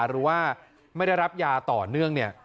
หรือว่าไม่ได้รับยาต่อเนื่อง